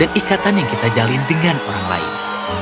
dan ikatan yang kita jalin dengan orang lain